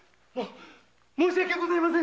申し訳ございません。